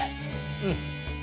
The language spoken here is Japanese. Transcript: うん。